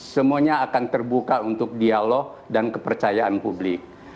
semuanya akan terbuka untuk dialog dan kepercayaan publik